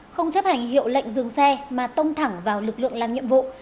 không chấp hành hiệu lệnh dừng xe mà tông thẳng vào lực lượng làm nhiệm vụ